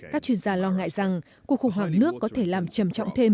các chuyên gia lo ngại rằng cuộc khủng hoảng nước có thể làm trầm trọng thêm